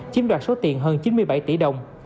chiếm đoạt số tiền hơn chín mươi bảy tỷ đồng